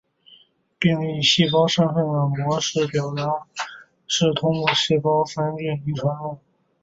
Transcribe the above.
定义细胞身份的基因表达模式是通过细胞分裂遗传的。